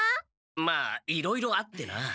まあいろいろあってな。